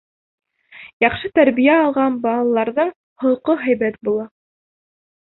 Яҡшы тәрбиә алған балаларҙың холҡо һәйбәт була.